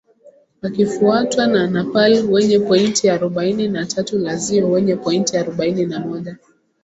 wakifuatwa na napal wenye pointi arobaini na tatu lazio wenye pointi arobaini na moja